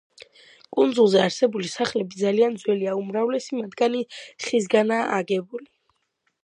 კუნძულზე არსებული სახლები ძალიან ძველია, უმრავლესი მათგანი ხისგანაა აგებული.